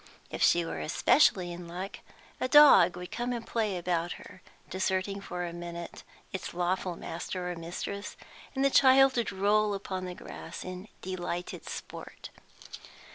If she were especially in luck, a dog would come and play about her, deserting for a minute its lawful master or mistress, and the child would roll upon the grass in delighted sport.